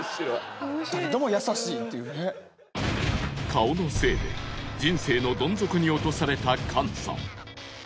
顔のせいで人生のどん底に落とされたカンさん。